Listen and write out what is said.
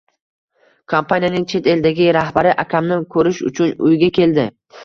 Kompaniyaning chet eldagi rahbari akamni koʻrish uchun uyga keldi